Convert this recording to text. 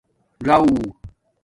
ژݹ